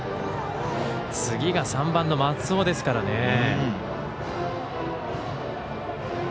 次が３番の松尾ですからね。